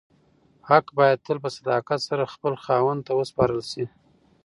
حق باید تل په صداقت سره خپل خاوند ته وسپارل شي.